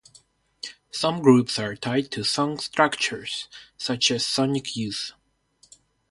Some groups are tied to song structures, such as Sonic Youth.